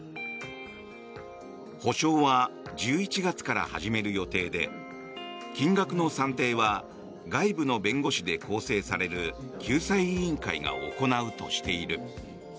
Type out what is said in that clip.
補償は１１月から始める予定で金額の算定は外部の弁護士で構成される救済委員会が行うとしている。